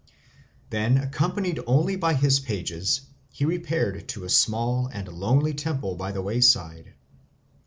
Then, accompanied only by his pages, he repaired to a small and lonely temple by the wayside.